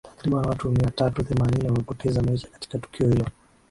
takriban watu mia tatu themanini wamepoteza maisha katika tukio hilo